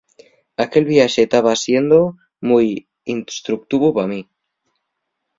Aquel viaxe taba siendo mui instructivu pa min.